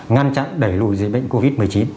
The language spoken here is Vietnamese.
ngăn chặn đẩy lùi dịch bệnh covid một mươi chín